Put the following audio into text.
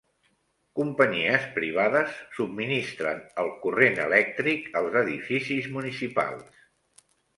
Companyies privades subministren el corrent elèctric als edificis municipals